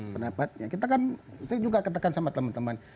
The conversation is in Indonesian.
saya juga ketekan sama teman teman